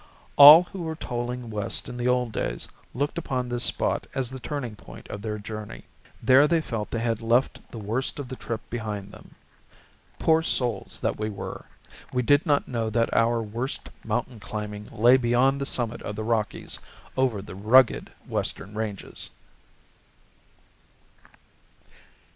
All who were toiling west in the old days looked upon this spot as the turning point of their journey. There they felt that they had left the worst of the trip behind them. Poor souls that we were! We did not know that our worst mountain climbing lay beyond the summit of the Rockies, over the rugged Western ranges.